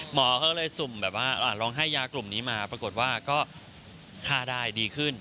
หมอเขาเลยสุ่มแบบว่าลองให้ยากลุ่มนี้มาปรากฏว่าก็ฆ่าได้ดีขึ้น